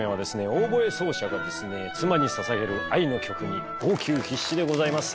オーボエ奏者が妻にささげる愛の曲に号泣必至でございます。